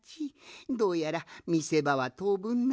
どうやらみせばはとうぶんなさそうじゃ。